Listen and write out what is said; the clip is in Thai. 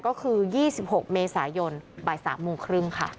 ก็คือ๒๖เมษายนบ่าย๓โมงครึ่งค่ะ